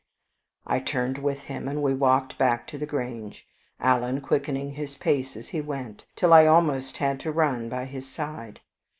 I turned with him, and we walked back to the Grange, Alan quickening his pace as he went, till I almost had to run by his side.